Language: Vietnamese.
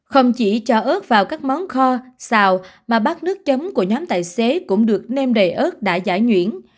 không chỉ cho ớt vào các món kho xào mà bát nước chấm của nhóm tài xế cũng được nêm đầy ớt đã giải nhuyễn